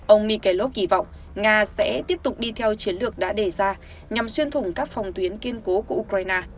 ông mikelv kỳ vọng nga sẽ tiếp tục đi theo chiến lược đã đề ra nhằm xuyên thủng các phòng tuyến kiên cố của ukraine